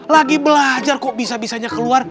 lagi belajar kok bisa bisanya keluar